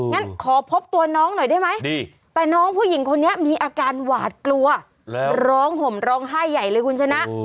งั้นขอพบตัวน้องหน่อยได้ไหมแต่น้องผู้หญิงคนนี้มีอาการหวาดกลัวร้องห่มร้องไห้ใหญ่เลยคุณชนะ